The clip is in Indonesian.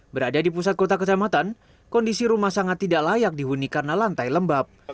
berada di pusat kota kecamatan kondisi rumah sangat tidak layak dihuni karena lantai lembab